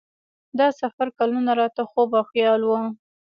دا سفر کلونه راته خوب او خیال و.